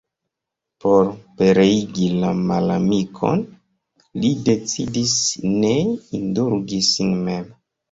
Por pereigi la malamikon, li decidis ne indulgi sin mem.